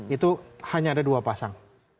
itu hanya ada dua pasang